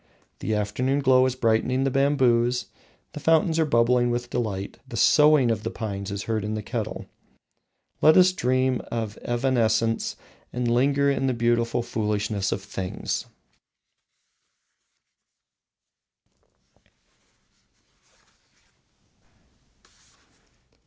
The afternoon glow is brightening the bamboos, the fountains are bubbling with delight, the soughing of the pines is heard in our kettle. Let us dream of evanescence, and linger in the beautiful foolishness of things.